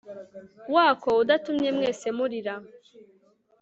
wako udatumye mwese murira